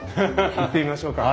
行ってみましょうか。